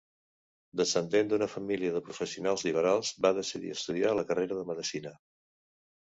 Descendent d'una família de professions liberals, va decidir estudiar la carrera de Medicina.